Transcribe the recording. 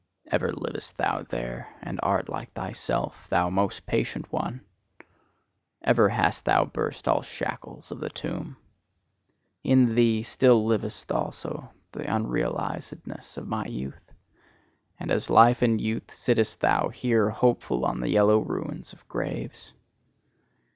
Ever livest thou there, and art like thyself, thou most patient one! Ever hast thou burst all shackles of the tomb! In thee still liveth also the unrealisedness of my youth; and as life and youth sittest thou here hopeful on the yellow ruins of graves.